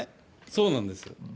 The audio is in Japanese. そうなんですよね。